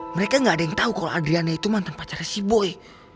mereka gak ada yang tau kalo adriana itu mantan pacarnya si boy